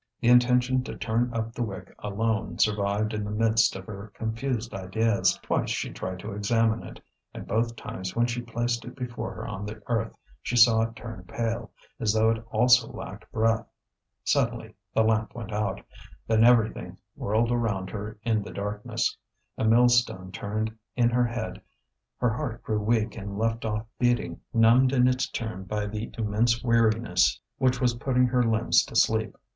The intention to turn up the wick alone survived in the midst of her confused ideas. Twice she tried to examine it, and both times when she placed it before her on the earth she saw it turn pale, as though it also lacked breath. Suddenly the lamp went out. Then everything whirled around her in the darkness; a millstone turned in her head, her heart grew weak and left off beating, numbed in its turn by the immense weariness which was putting her limbs to sleep.